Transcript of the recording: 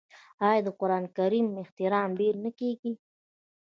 آیا د قران کریم احترام ډیر نه کیږي؟